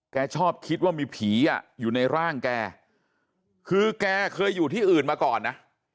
แกชอบคิดว่ามีผีอ่ะอยู่ในร่างแกคือแกเคยอยู่ที่อื่นมาก่อนนะ